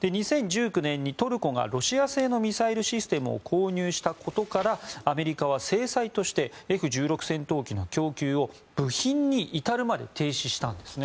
２０１９年にトルコがロシア製のミサイルシステムを購入したことからアメリカは制裁としてＦ１６戦闘機の供給を部品に至るまで停止したんです。